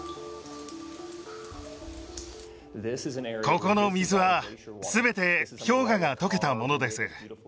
ここの水はすべて氷河が解けたものです